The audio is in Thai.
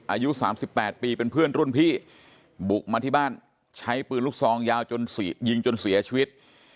อายุ๓๘ปีเป็นเพื่อนรุ่นพี่บุกมาที่บ้านใช้ปืนลูกซองยาวจนยิงจนเสียชีวิต